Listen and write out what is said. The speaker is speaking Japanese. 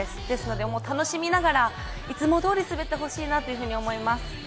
ですので楽しみながら、いつもどおり滑ってほしいなと思います。